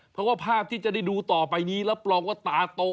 เพราะว่าภาพที่จะได้ดูต่อไปนี้รับรองว่าตาโต